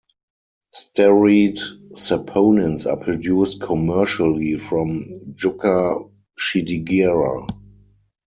Steroid saponins are produced commercially from "Yucca schidigera".